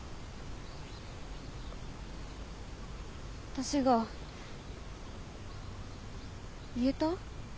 私が言えた？